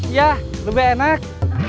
iyah lebih enak